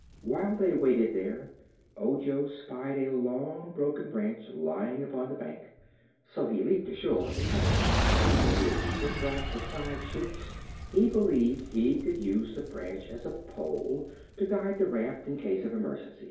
While they waited here, Ojo spied a long broken branch lying upon the bank, so he leaped ashore and got it. When he had stripped off the side shoots he believed he could use the branch as a pole, to guide the raft in case of emergency.